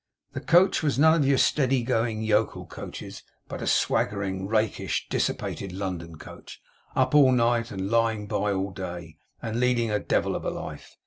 The coach was none of your steady going, yokel coaches, but a swaggering, rakish, dissipated London coach; up all night, and lying by all day, and leading a devil of a life.